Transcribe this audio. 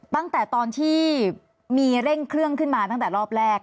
ตั้งแต่ตอนที่มีเร่งเครื่องขึ้นมาตั้งแต่รอบแรก